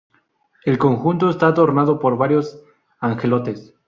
El conjunto está adornado por varios angelotes.